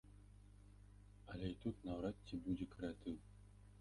Але і тут наўрад ці будзе крэатыў.